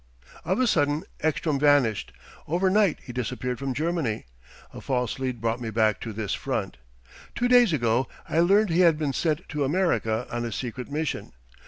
"Of a sudden Ekstrom vanished. Overnight he disappeared from Germany. A false lead brought me back to this front. Two days ago I learned he had been sent to America on a secret mission.